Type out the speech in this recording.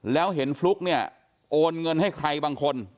แล้วเห็นฟลุ๊กเนี่ยโอนเงินให้ใครบางคน